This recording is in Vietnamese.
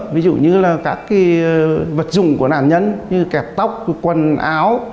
ví dụ như là các vật dụng của nạn nhân như kẹt tóc quần áo